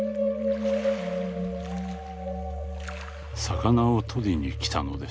「魚を捕りに来たのです」。